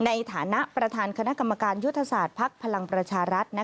ในฐานะประธานคณะกรรมการยุทธศาสตร์ภักดิ์พลังประชารัฐ